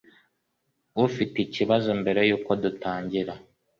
ufite ikibazo mbere yuko dutangira